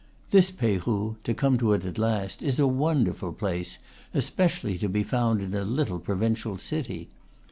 This Peyrou (to come to it at last) is a wonderful place, especially to be found in a little pro vincial city.